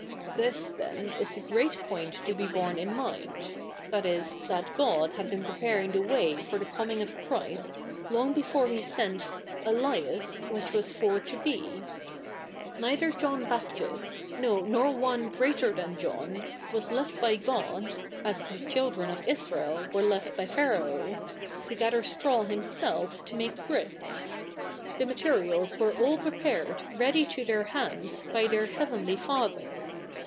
^^' This, then, is the great point to be borne in mind — viz. that God had been preparing the way for the coming of Christ long before he se?it " Elias, which was for to be." 8o THE NEW REPUBLIC [ek. ii Neither John Baptist^ 710, iW7' One greater' tha?t John^ was left by God {as the children of Israel were left by Pharaoh) to gather straw himself to make bricks. The materials were all prepared ready to their hands by their Heavenly Father.